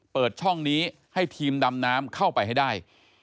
เปิดช่องนี้ให้ทีมดำน้ำเข้าไปให้ได้